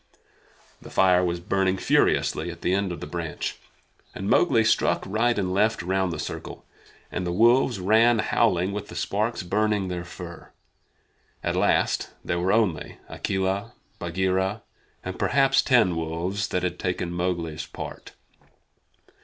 The fire was burning furiously at the end of the branch, and Mowgli struck right and left round the circle, and the wolves ran howling with the sparks burning their fur. At last there were only Akela, Bagheera, and perhaps ten wolves that had taken Mowgli's part.